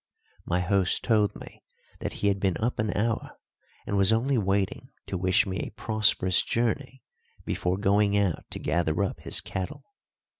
My host told me that he had been up an hour, and was only waiting to wish me a prosperous journey before going out to gather up his cattle.